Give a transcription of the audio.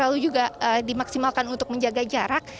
lalu juga dimaksimalkan untuk menjaga jarak